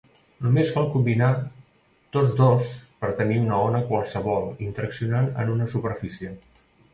Només cal combinar tots dos per tenir una ona qualsevol interaccionant en una interfície.